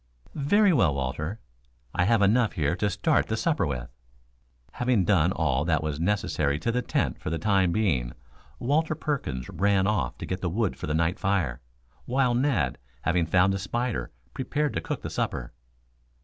"Very well, Walter. I have enough here to start the supper with." Having done all that was necessary to the tent for the time being, Walter Perkins ran off to get the wood for the night fire, while Ned, having found a spider, prepared to cook the supper.